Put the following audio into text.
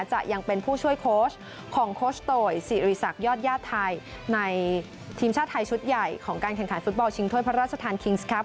จะยังเป็นผู้ช่วยโค้ชของโคชโตยสิริษักยอดญาติไทยในทีมชาติไทยชุดใหญ่ของการแข่งขันฟุตบอลชิงถ้วยพระราชทานคิงส์ครับ